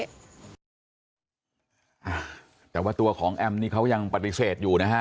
อ่าแต่ว่าตัวของแอมนี่เขายังปฏิเสธอยู่นะฮะ